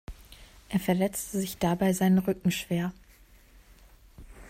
Er verletzte sich dabei seinen Rücken schwer.